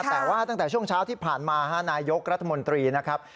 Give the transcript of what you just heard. แต่ว่าตั้งแต่ช่วงเช้าที่ผ่านมานายกรัฐมนตรีนะครับ